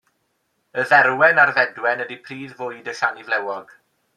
Y dderwen a'r fedwen ydy prif fwyd y siani flewog.